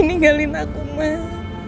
nyinggalin aku mah